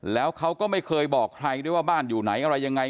แล้วเขาก็ไม่เคยบอกใครด้วยว่าบ้านอยู่ไหนอะไรยังไง